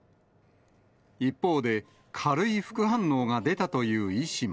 一方で、軽い副反応が出たという医師も。